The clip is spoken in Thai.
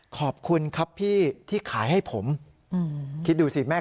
ค้าเป็นผู้ชายชาวเมียนมา